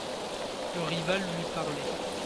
Le Rival lui parlait.